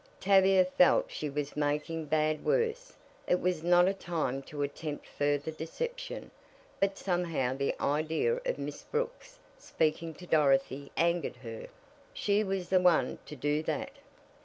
Tavia felt she was making bad worse; it was not a time to attempt further deception. But somehow the idea of Miss Brooks speaking to Dorothy angered her she was the one to do that.